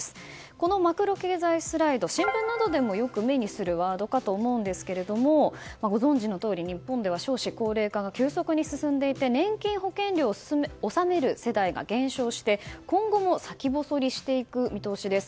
このマクロ経済スライド新聞などでもよく目にするワードかと思いますがご存じのとおり日本では少子高齢化が急速に進んでいて年金保険料を納める世代が減少して今後も先細りしていく見通しです。